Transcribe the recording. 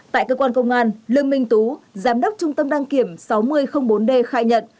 tại cơ quan công an lương minh tú giám đốc trung tâm đăng kiểm sáu nghìn bốn d khai nhận